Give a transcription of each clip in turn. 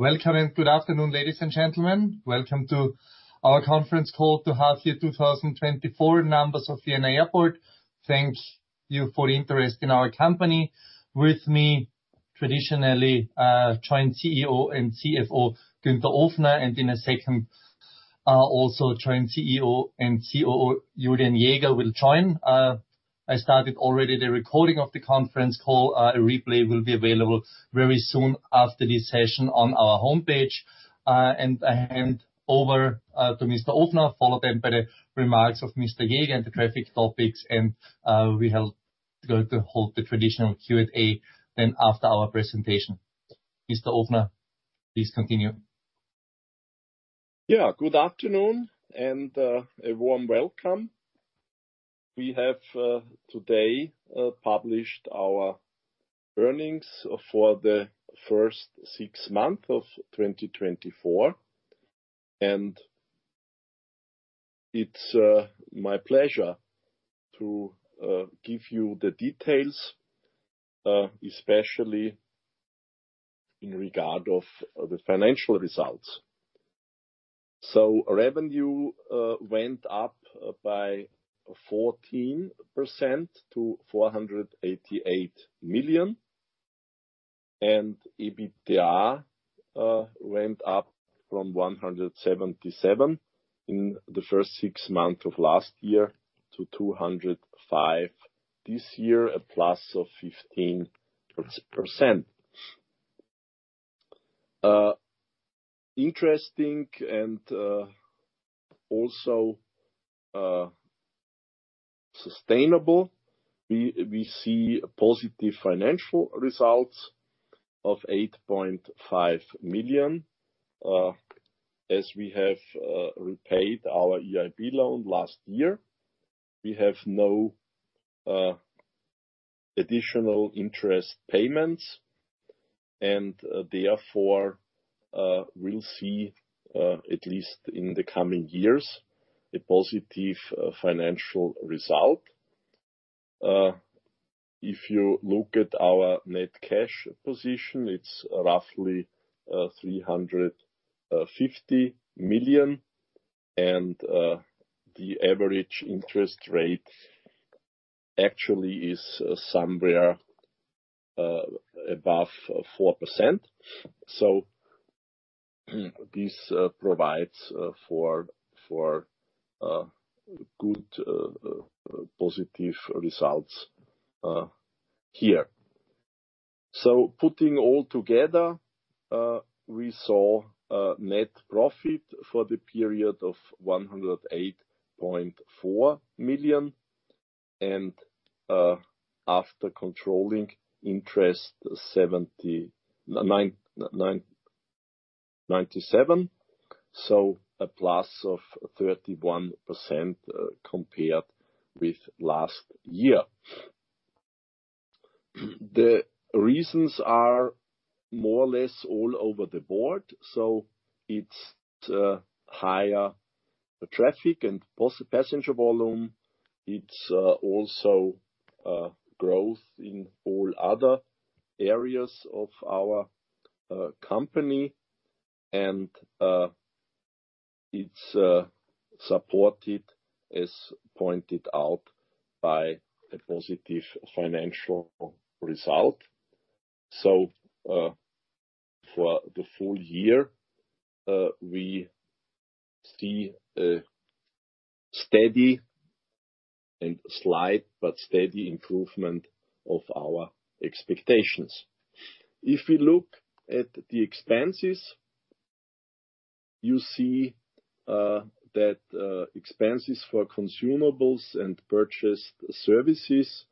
Welcome and good afternoon, ladies and gentlemen. Welcome to our conference call to half year 2024 numbers of Vienna Airport. Thank you for the interest in our company. With me, traditionally, Joint CEO and CFO, Günther Ofner, and in a second, also Joint CEO and COO, Julian Jäger, will join. I started already the recording of the conference call. A replay will be available very soon after this session on our homepage. I hand over to Mr. Ofner, followed then by the remarks of Mr. Jäger and the traffic topics, and we hope to go to hold the traditional Q&A then after our presentation. Mr. Ofner, please continue. Yeah, good afternoon and a warm welcome. We have today published our earnings for the first six months of 2024, and it's my pleasure to give you the details, especially in regard of the financial results. Revenue went up by 14% to 488 million, and EBITDA went up from 177 in the first six months of last year to 205 this year, a plus of 15%. Interesting and also sustainable, we see positive financial results of 8.5 million. As we have repaid our EIB loan last year, we have no additional interest payments, and therefore we'll see at least in the coming years a positive financial result. If you look at our net cash position, it's roughly 350 million, and the average interest rate actually is somewhere above 4%. So this provides for good positive results here. So putting all together, we saw a net profit for the period of 108.4 million, and after controlling interest, 79.97 million, so a plus of 31% compared with last year. The reasons are more or less all over the board, so it's higher traffic and passenger volume. It's also growth in all other areas of our company, and it's supported, as pointed out, by a positive financial result. For the full year, we see a steady and slight, but steady improvement of our expectations. If we look at the expenses, you see, that expenses for consumables and purchased services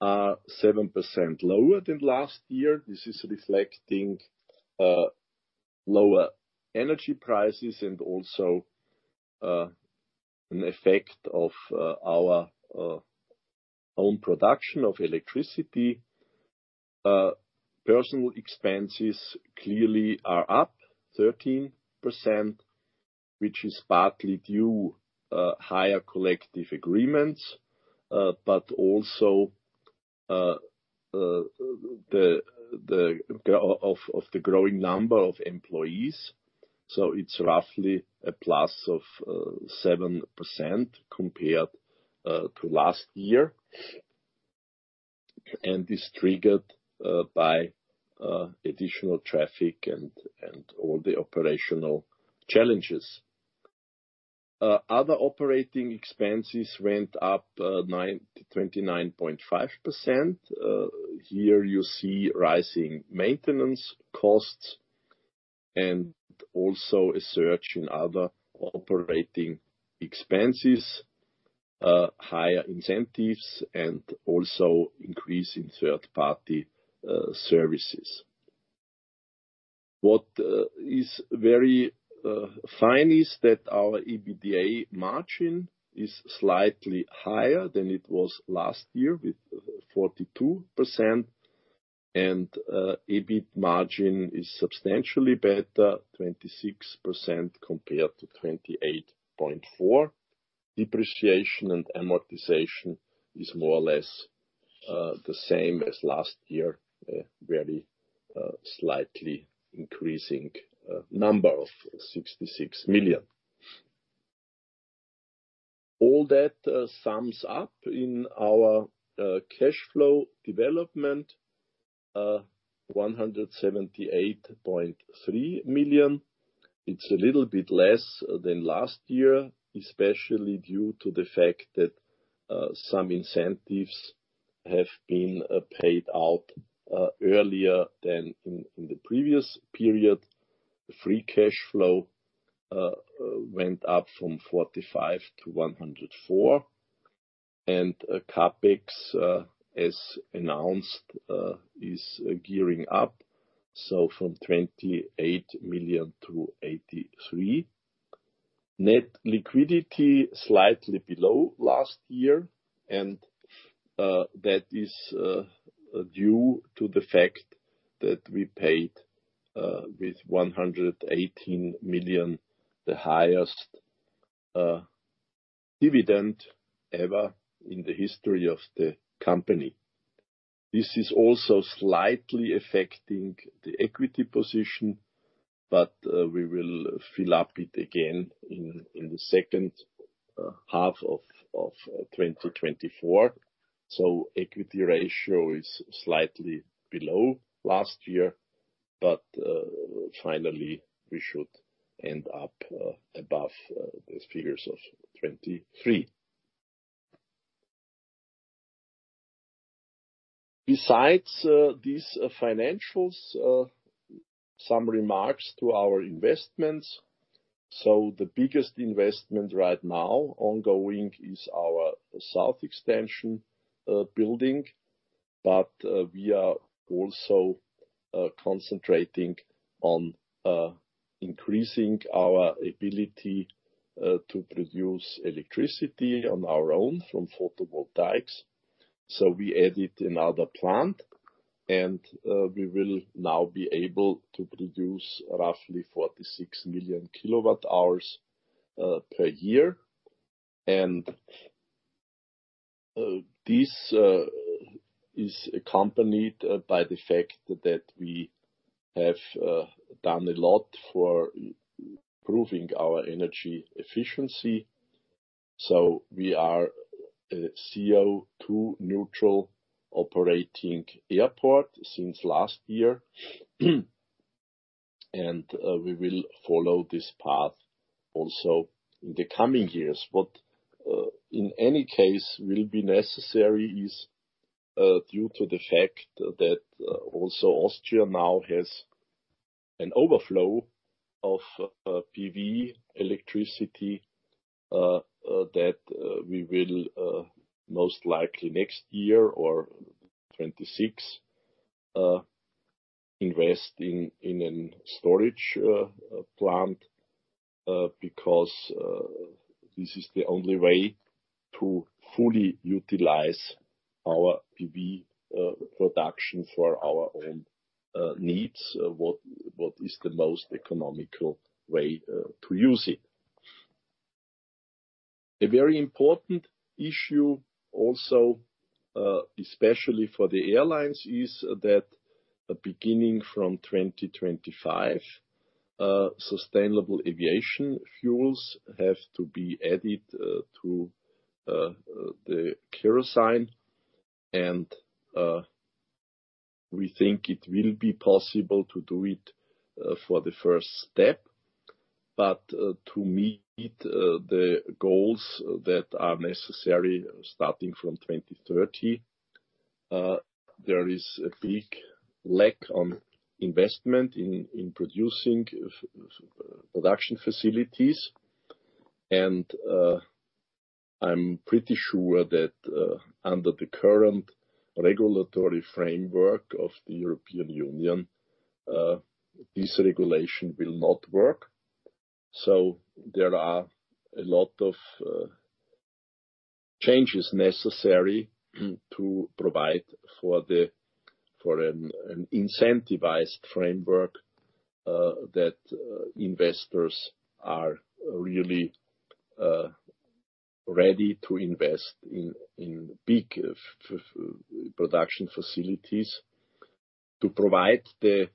are 7% lower than last year. This is reflecting lower energy prices and also an effect of our own production of electricity. Personnel expenses clearly are up 13%, which is partly due higher collective agreements, but also the growing number of employees. It's roughly a plus of 7% compared to last year, and is triggered by additional traffic and all the operational challenges. Other operating expenses went up 29.5%. Here you see rising maintenance costs and also a surge in other operating expenses, higher incentives, and also increase in third-party services. What is very fine is that our EBITDA margin is slightly higher than it was last year, with 42%, and EBIT margin is substantially better, 26% compared to 28.4%. Depreciation and amortization is more or less the same as last year, very slightly increasing number of 66 million. All that sums up in our cash flow development, 178.3 million. It's a little bit less than last year, especially due to the fact that some incentives have been paid out earlier than in the previous period. The free cash flow went up from 45 million to 104 million, and CapEx, as announced, is gearing up, so from 28 million to 83 million. Net liquidity slightly below last year, and that is due to the fact that we paid with 118 million, the highest dividend ever in the history of the company. This is also slightly affecting the equity position, but we will fill up it again in the second half of 2024. So equity ratio is slightly below last year, but finally, we should end up above the figures of 2023. Besides these financials, some remarks to our investments. So the biggest investment right now, ongoing, is our South Extension building. We are also concentrating on increasing our ability to produce electricity on our own from photovoltaics. So we added another plant, and we will now be able to produce roughly 46 million kWh per year. This is accompanied by the fact that we have done a lot for improving our energy efficiency, so we are a CO2-neutral operating airport since last year. We will follow this path also in the coming years. What, in any case, will be necessary is, due to the fact that, also Austria now has an overflow of PV electricity, that we will, most likely next year or 2026, invest in a storage plant, because this is the only way to fully utilize our PV production for our own needs, what is the most economical way to use it. A very important issue also, especially for the airlines, is that beginning from 2025, sustainable aviation fuels have to be added to the kerosene, and we think it will be possible to do it for the first step. But to meet the goals that are necessary starting from 2030, there is a big lack of investment in producing fuel production facilities. And I'm pretty sure that under the current regulatory framework of the European Union, this regulation will not work. So there are a lot of changes necessary to provide for an incentivized framework that investors are really ready to invest in big fuel-production facilities to provide the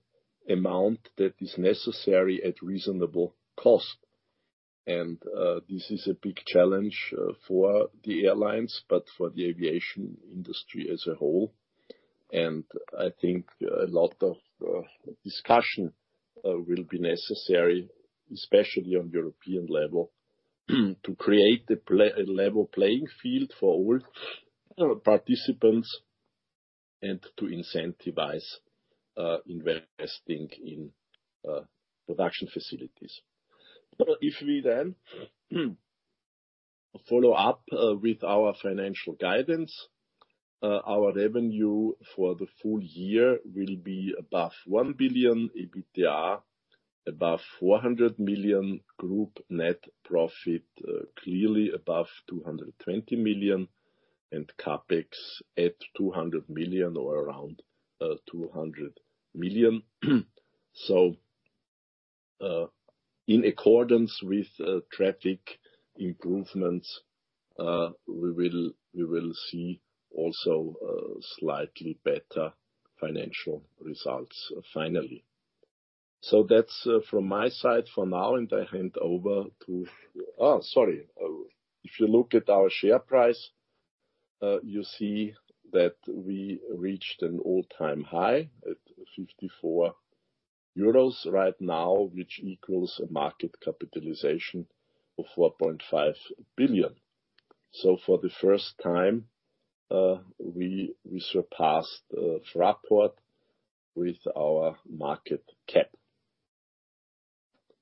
amount that is necessary at reasonable cost. And this is a big challenge for the airlines, but for the aviation industry as a whole. And I think a lot of discussion will be necessary, especially on European level, to create a level playing field for all participants and to incentivize investing in production facilities. If we then follow up with our financial guidance, our revenue for the full year will be above 1 billion, EBITDA above 400 million, group net profit clearly above 220 million, and CapEx at 200 million, or around 200 million. In accordance with traffic improvements, we will see also slightly better financial results finally. So that's from my side for now, and I hand over to, oh, sorry, if you look at our share price, you see that we reached an all-time high at 54 euros right now, which equals a market capitalization of 4.5 billion. So for the first time, we surpassed Fraport with our market cap.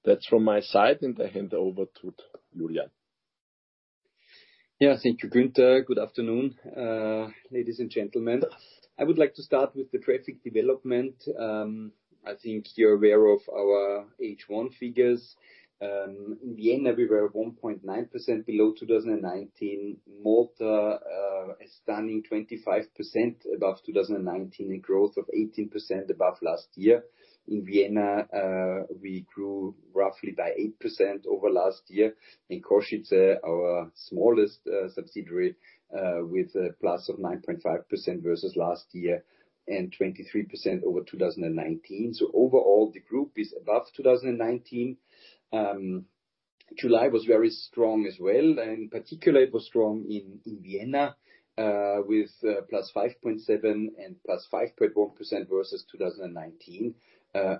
That's from my side, and I hand over to Julian. Yeah, thank you, Günther. Good afternoon, ladies and gentlemen. I would like to start with the traffic development. I think you're aware of our H1 figures. In Vienna, we were 1.9% below 2019. Malta, a stunning 25% above 2019, and growth of 18% above last year. In Vienna, we grew roughly by 8% over last year. In Košice, our smallest subsidiary, with a plus of 9.5% versus last year and 23% over 2019. So overall, the group is above 2019. July was very strong as well, and in particular, it was strong in Vienna, with +5.7% and +5.1% versus 2019.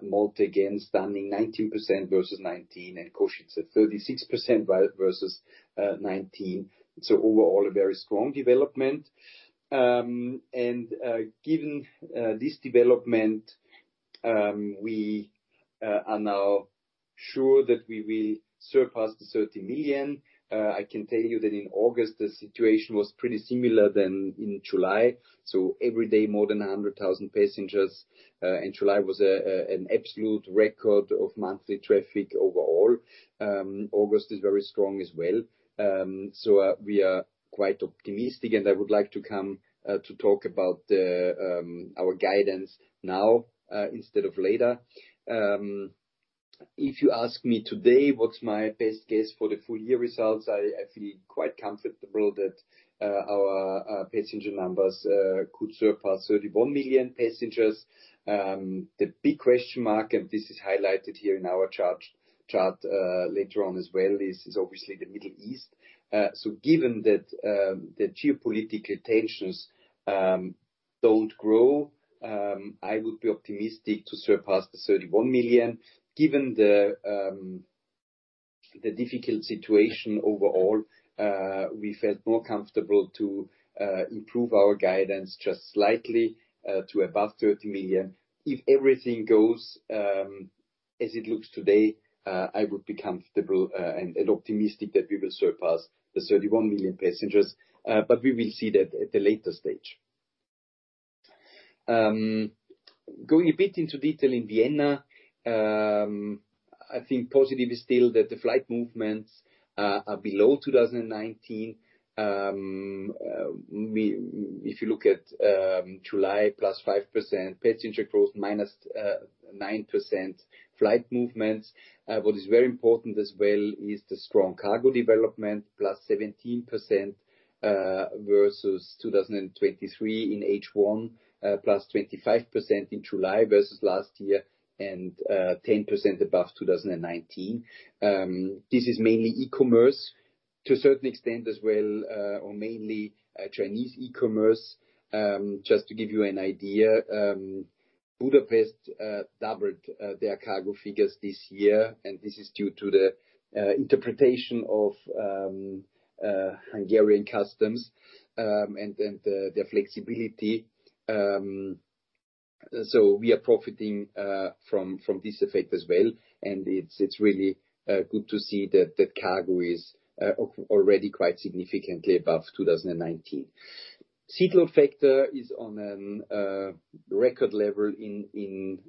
Malta, again, stunning 19% versus 2019, and Košice 36% versus 2019, so overall, a very strong development. Given this development, we are now sure that we will surpass the 30 million. I can tell you that in August, the situation was pretty similar than in July, so every day, more than 100,000 passengers, and July was an absolute record of monthly traffic overall. August is very strong as well. So, we are quite optimistic, and I would like to come to talk about our guidance now, instead of later. If you ask me today what's my best guess for the full year results, I feel quite comfortable that our passenger numbers could surpass 31 million passengers. The big question mark, and this is highlighted here in our chart, later on as well, is obviously the Middle East. So given that, the geopolitical tensions don't grow, I would be optimistic to surpass the 31 million. Given the, the difficult situation overall, we felt more comfortable to, improve our guidance just slightly, to above 30 million. If everything goes, as it looks today, I would be comfortable, and, and optimistic that we will surpass the 31 million passengers, but we will see that at a later stage. Going a bit into detail in Vienna, I think positive is still that the flight movements, are below 2019. If you look at July, +5% passenger growth, -9% flight movements. What is very important as well is the strong cargo development, +17%, versus 2023 in H1, +25% in July versus last year, and 10% above 2019. This is mainly e-commerce, to a certain extent as well, or mainly, Chinese e-commerce. Just to give you an idea, Budapest doubled their cargo figures this year, and this is due to the interpretation of Hungarian customs, and their flexibility. So we are profiting from this effect as well, and it's really good to see that cargo is already quite significantly above 2019. Seat load factor is on an record level in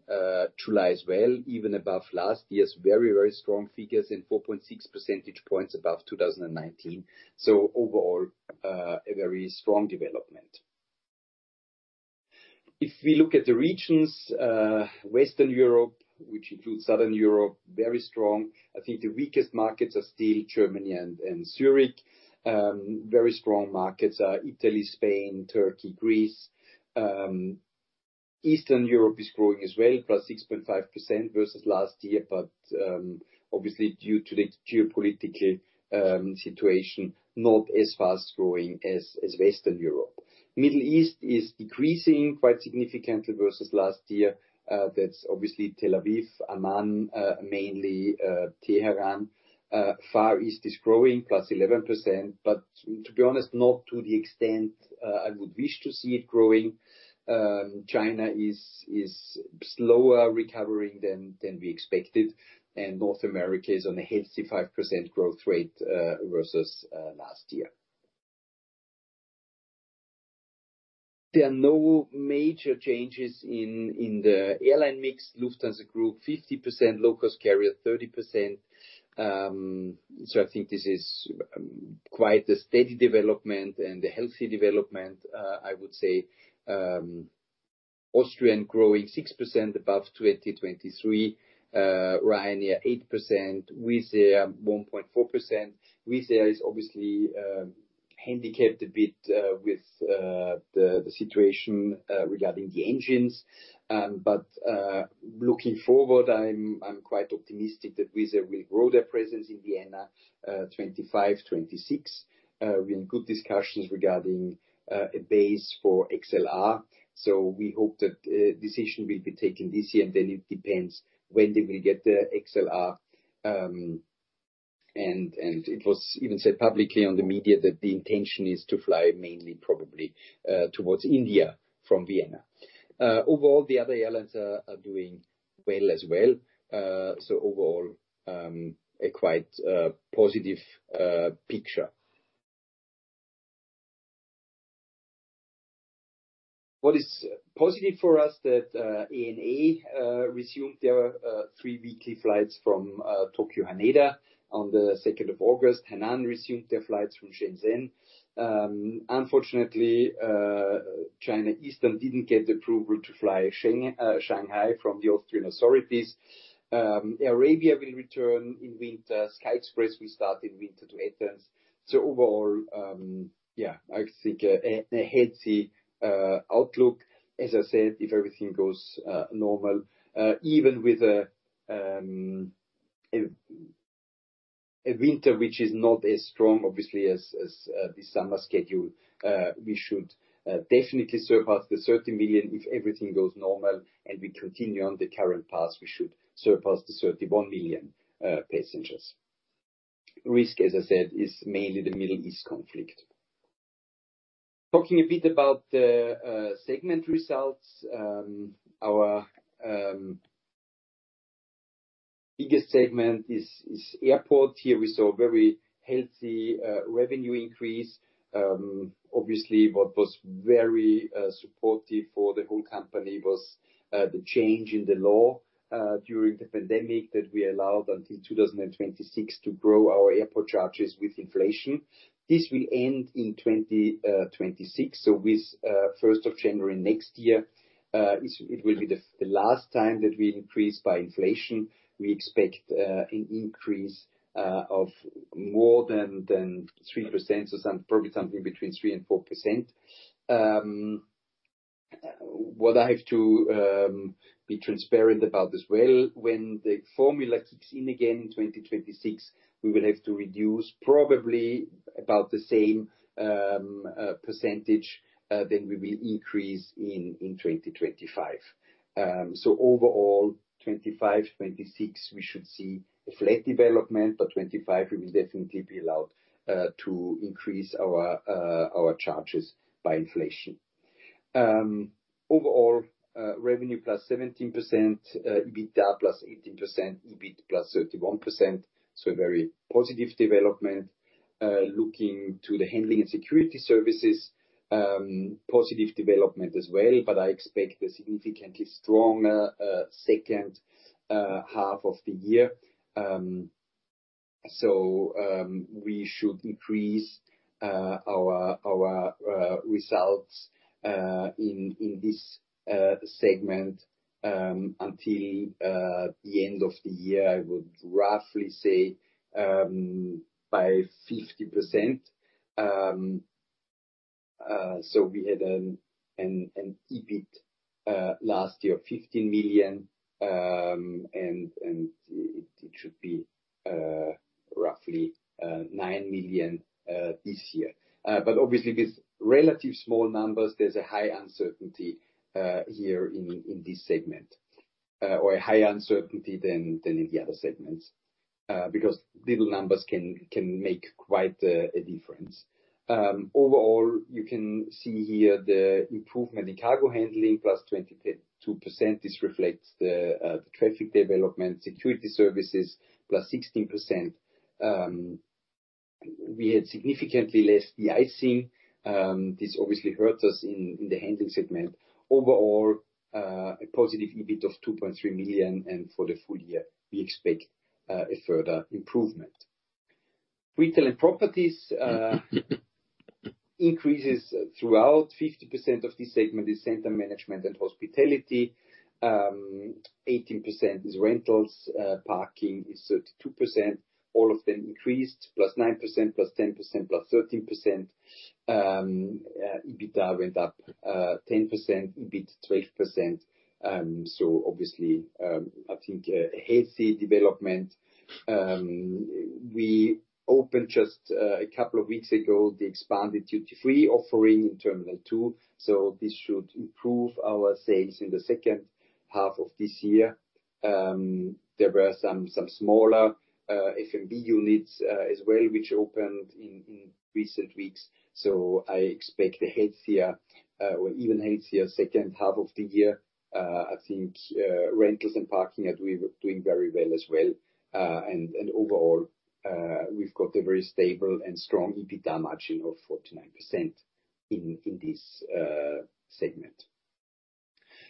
July as well, even above last year's very, very strong figures, and 4.6 percentage points above 2019, so overall, a very strong development. If we look at the regions, Western Europe, which includes Southern Europe, very strong. I think the weakest markets are still Germany and Zurich. Very strong markets are Italy, Spain, Turkey, Greece. Eastern Europe is growing as well, +6.5% versus last year, but obviously due to the geopolitically situation, not as fast-growing as Western Europe. Middle East is decreasing quite significantly versus last year. That's obviously Tel Aviv, Amman, mainly, Tehran. Far East is growing, +11%, but to be honest, not to the extent I would wish to see it growing. China is slower recovering than we expected, and North America is on a healthy 5% growth rate versus last year. There are no major changes in the airline mix. Lufthansa grew 50%, low-cost carrier 30%, so I think this is quite a steady development and a healthy development, I would say. Austrian growing 6% above 2023, Ryanair 8%, Wizz Air 1.4%. Wizz Air is obviously handicapped a bit with the situation regarding the engines, but looking forward, I'm quite optimistic that Wizz Air will grow their presence in Vienna, 2025, 2026. We're in good discussions regarding a base for XLR, so we hope that a decision will be taken this year, and then it depends when they will get the XLR. It was even said publicly on the media that the intention is to fly mainly probably towards India from Vienna. Overall, the other airlines are doing well as well. Overall, a quite positive picture. What is positive for us that ANA resumed their three weekly flights from Tokyo, Haneda on the second of August. Hainan resumed their flights from Shenzhen. Unfortunately, China Eastern didn't get the approval to fly Shanghai from the Austrian authorities. Air Arabia will return in winter. Sky Express will start in winter to Athens. Overall, yeah, I think a healthy outlook, as I said, if everything goes normal. Even with a winter which is not as strong, obviously, as the summer schedule, we should definitely surpass the 30 million if everything goes normal, and we continue on the current path, we should surpass the 31 million passengers. Risk, as I said, is mainly the Middle East conflict. Talking a bit about the segment results, our biggest segment is airport. Here, we saw a very healthy revenue increase. Obviously, what was very supportive for the whole company was the change in the law during the pandemic, that we are allowed until 2026 to grow our airport charges with inflation. This will end in 2026, so with first of January next year, it will be the last time that we increase by inflation. We expect an increase of more than 3%, so probably something between 3% and 4%. What I have to be transparent about as well, when the formula kicks in again in 2026, we will have to reduce probably about the same percentage than we will increase in 2025. So overall, 2025, 2026, we should see a flat development, but 2025, we will definitely be allowed to increase our charges by inflation. Overall, revenue +17%, EBITDA +18%, EBIT +31%, so a very positive development. Looking to the handling and security services, positive development as well, but I expect a significantly stronger second half of the year. So, we should increase our results in this segment until the end of the year, I would roughly say, by 50%. So we had an EBIT last year of 15 million, and it should be roughly 9 million this year. But obviously, with relative small numbers, there's a high uncertainty here in this segment, or a higher uncertainty than in the other segments, because little numbers can make quite a difference. Overall, you can see here the improvement in cargo handling, +22%. This reflects the traffic development. Security services, +16%. We had significantly less de-icing. This obviously hurt us in the handling segment. Overall, a positive EBIT of 2.3 million, and for the full year, we expect a further improvement. Retail and properties, increases throughout. 50% of this segment is center management and hospitality, 18% is rentals, parking is 32%. All of them increased, +9%, +10%, +13%. EBITDA went up 10%, EBIT 12%, so obviously, I think a healthy development. We opened just a couple of weeks ago the expanded duty-free offering in Terminal 2, so this should improve our sales in the second half of this year. There were some smaller F&B units as well, which opened in recent weeks, so I expect a healthier or even healthier second half of the year. I think rentals and parking are doing very well as well, and overall, we've got a very stable and strong EBITDA margin of 49% in this segment.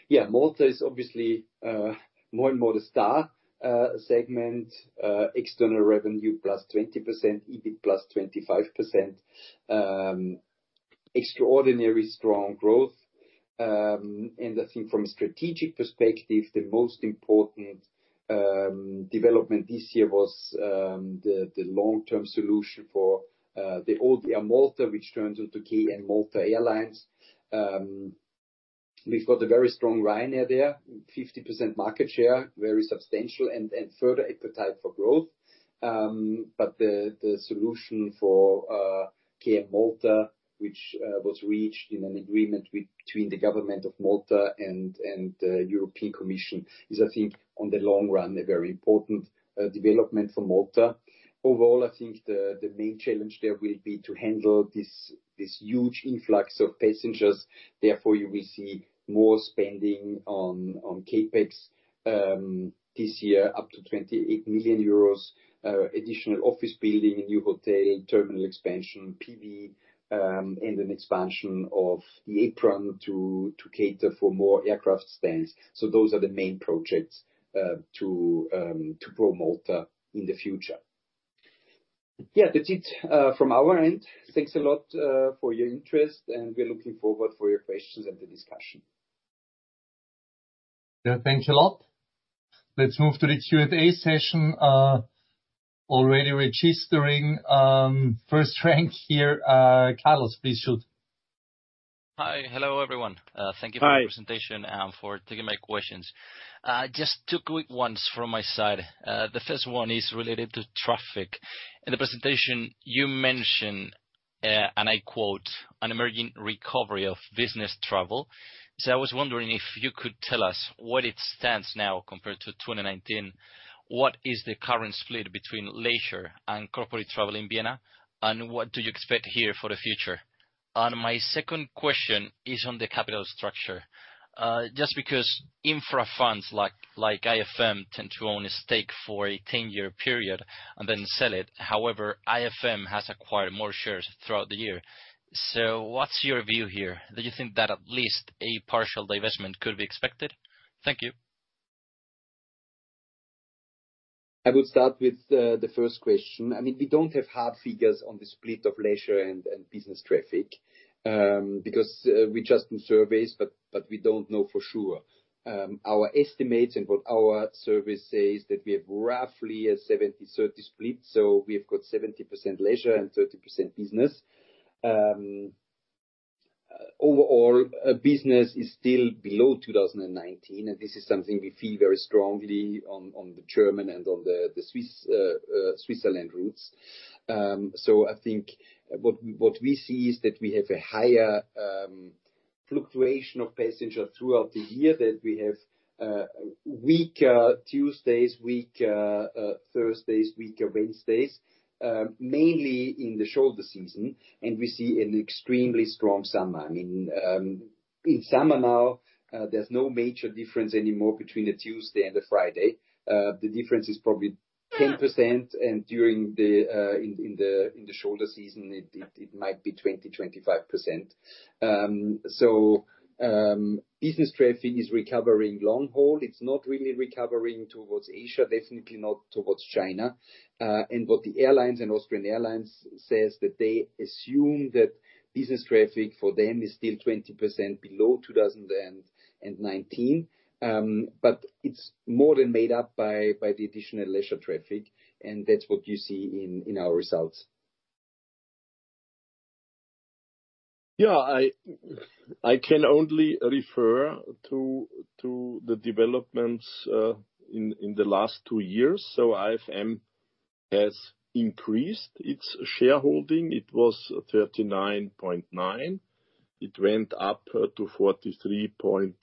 Yeah, Malta is obviously more and more a star segment. External revenue +20%, EBIT +25%, extraordinary strong growth. And I think from a strategic perspective, the most important development this year was the long-term solution for the old Air Malta, which turns into KM Malta Airlines. We've got a very strong Ryanair there, 50% market share, very substantial, and further appetite for growth. But the solution for KM Malta, which was reached in an agreement between the government of Malta and European Commission, is, I think, on the long run, a very important development for Malta. Overall, I think the main challenge there will be to handle this huge influx of passengers. Therefore, you will see more spending on CapEx this year, up to 28 million euros, additional office building, a new hotel, terminal expansion, PV, and an expansion of the apron to cater for more aircraft stands. So those are the main projects to grow Malta in the future. Yeah, that's it from our end. Thanks a lot for your interest, and we're looking forward for your questions and the discussion. Yeah, thanks a lot. Let's move to the Q&A session, already registering, first rank here, Carlos, please shoot. Hi. Hello, everyone. Hi Thank you for the presentation and for taking my questions. Just two quick ones from my side. The first one is related to traffic. In the presentation you mention, and I quote, "An emerging recovery of business travel." So I was wondering if you could tell us where it stands now compared to 2019. What is the current split between leisure and corporate travel in Vienna? And what do you expect here for the future? And my second question is on the capital structure. Just because infra funds like IFM tend to own a stake for a 10 year period and then sell it. However, IFM has acquired more shares throughout the year. So what's your view here? Do you think that at least a partial divestment could be expected? Thank you. I will start with the first question. I mean, we don't have hard figures on the split of leisure and business traffic because we just do surveys, but we don't know for sure. Our estimates and what our survey says, that we have roughly a 70-30 split, so we have got 70% leisure and 30% business. Overall, business is still below 2019, and this is something we feel very strongly on the German and the Swiss Switzerland routes. So I think what we see is that we have a higher fluctuation of passengers throughout the year, that we have weaker Tuesdays, weaker Thursdays, weaker Wednesdays, mainly in the shoulder season, and we see an extremely strong summer. I mean, in summer now, there's no major difference anymore between a Tuesday and a Friday. The difference is probably 10%, and during the shoulder season, it might be 20%-25%. So, business traffic is recovering long haul. It's not really recovering towards Asia, definitely not towards China. And what the airlines and Austrian Airlines says, that they assume that business traffic for them is still 20% below 2019. But it's more than made up by the additional leisure traffic, and that's what you see in our results. Yeah, I can only refer to the developments in the last two years. So IFM has increased its shareholding. It was 39.9%. It went up to 43.3%,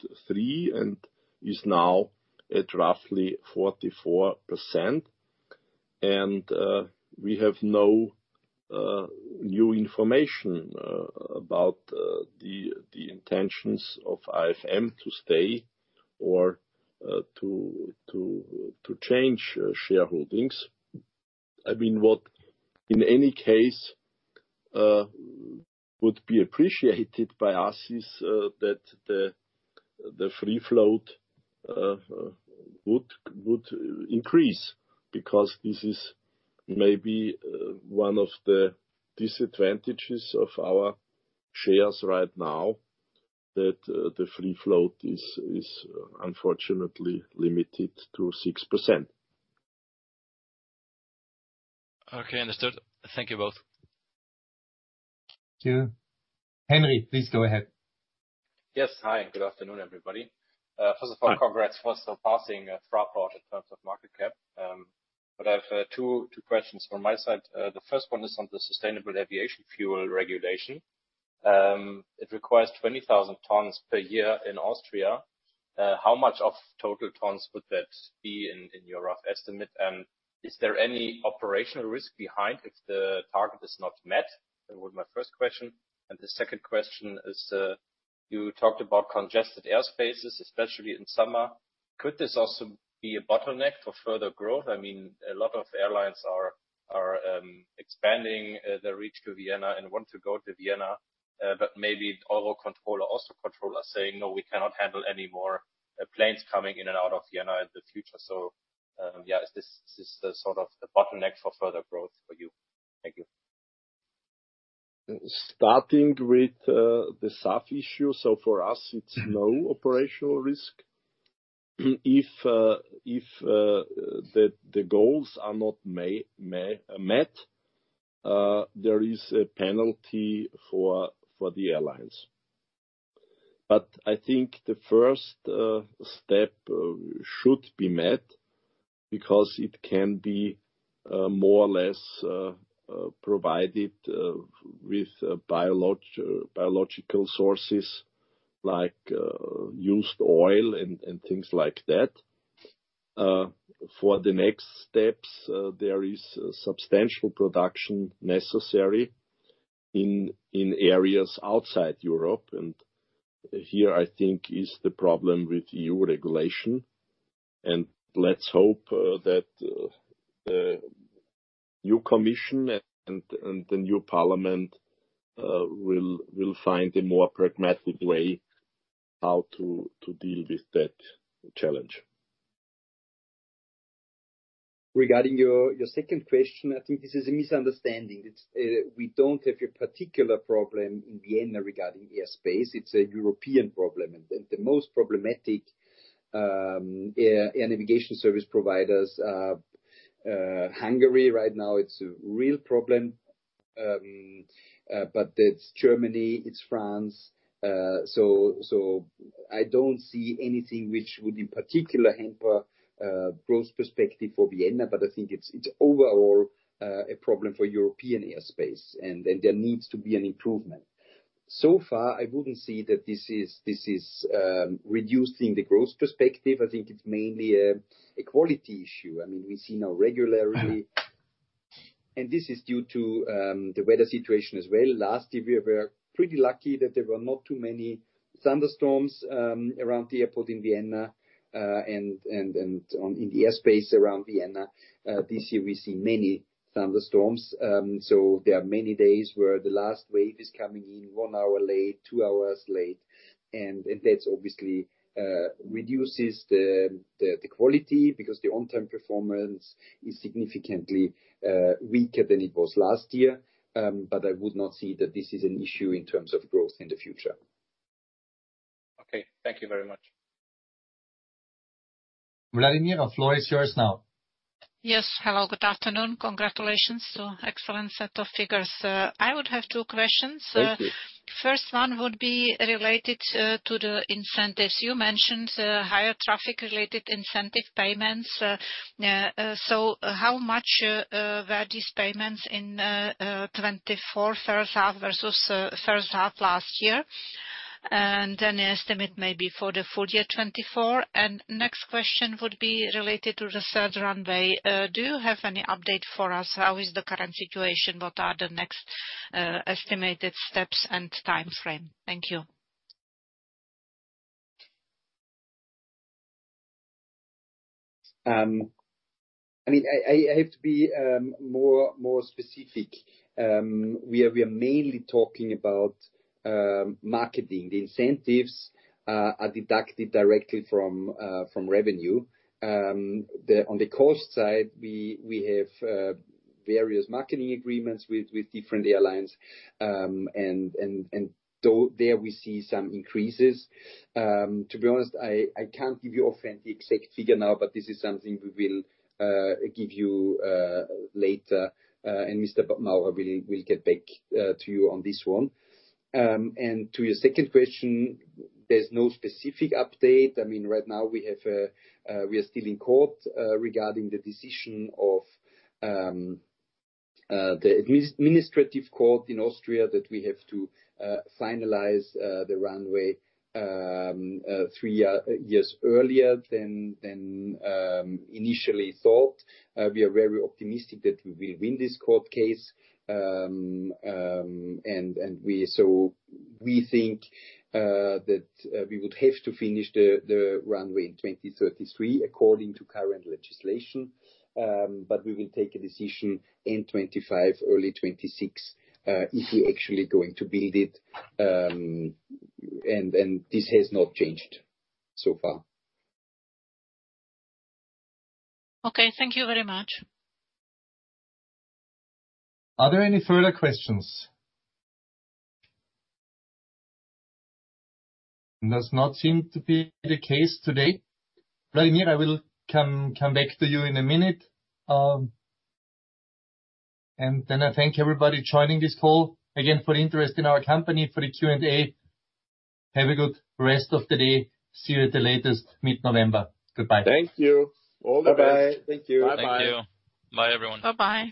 and is now at roughly 44%. And we have no new information about the intentions of IFM to stay or to change shareholdings. I mean, in any case, would be appreciated by us is that the free float would increase, because this is maybe one of the disadvantages of our shares right now, that the free float is unfortunately limited to 6%. Okay, understood. Thank you both. Thank you. Henry, please go ahead. Yes. Hi, good afternoon, everybody. Hi. First of all, congrats for surpassing Fraport in terms of market cap. But I've two questions from my side. The first one is on the sustainable aviation fuel regulation. It requires 20,000 tons per year in Austria. How much of total tons would that be in your rough estimate? And is there any operational risk behind if the target is not met? That was my first question. And the second question is, you talked about congested airspaces, especially in summer. Could this also be a bottleneck for further growth? I mean, a lot of airlines are expanding their reach to Vienna and want to go to Vienna, but maybe Austro Control or also controllers saying, "No, we cannot handle any more planes coming in and out of Vienna in the future." Yeah, is this the sort of bottleneck for further growth for you? Thank you. Starting with the SAF issue, so for us, it's no operational risk. If the goals are not met, there is a penalty for the airlines, but I think the first step should be met, because it can be more or less provided with biological sources like used oil and things like that. For the next steps, there is substantial production necessary in areas outside Europe, and here, I think, is the problem with EU regulation, and let's hope that the new commission and the new parliament will find a more pragmatic way how to deal with that challenge. Regarding your second question, I think this is a misunderstanding. It's we don't have a particular problem in Vienna regarding airspace. It's a European problem, and the most problematic air navigation service providers are Hungary right now. It's a real problem, but it's Germany, it's France. So I don't see anything which would in particular hamper growth perspective for Vienna, but I think it's overall a problem for European airspace, and there needs to be an improvement. So far, I wouldn't say that this is reducing the growth perspective. I think it's mainly a quality issue. I mean, we see now regularly- And this is due to the weather situation as well. Last year, we were pretty lucky that there were not too many thunderstorms around the airport in Vienna and in the airspace around Vienna. This year we've seen many thunderstorms. So there are many days where the last wave is coming in one hour late, two hours late, and that's obviously reduces the quality, because the on-time performance is significantly weaker than it was last year. But I would not say that this is an issue in terms of growth in the future. Okay, thank you very much. Vladimir, the floor is yours now. Yes. Hello, good afternoon. Congratulations to excellent set of figures. I would have two questions. Thank you. First one would be related to the incentives. You mentioned higher traffic-related incentive payments. So how much were these payments in 2024 first half versus first half last year? And any estimate maybe for the full year 2024. And next question would be related to the Third Runway. Do you have any update for us? How is the current situation? What are the next estimated steps and timeframe? Thank you. I mean, I have to be more specific. We are mainly talking about marketing. The incentives are deducted directly from revenue. On the cost side, we have various marketing agreements with different airlines, and though there we see some increases. To be honest, I can't give you authentic exact figure now, but this is something we will give you later, and Mr. Bauer will get back to you on this one, and to your second question, there's no specific update. I mean, right now we are still in court regarding the decision of the administrative court in Austria that we have to finalize the Third Runway three years earlier than initially thought. We are very optimistic that we will win this court case, and so we think that we would have to finish the Third Runway in 2033 according to current legislation, but we will take a decision in 2025, early 2026, if we actually going to build it. This has not changed so far. Okay, thank you very much. Are there any further questions? Does not seem to be the case today. Vladimir, I will come back to you in a minute, and then I thank everybody joining this call, again, for the interest in our company, for the Q&A. Have a good rest of the day. See you at the latest mid-November. Goodbye. Thank you. All the best. Bye-bye. Thank you. Bye-bye. Thank you. Bye, everyone. Bye-bye.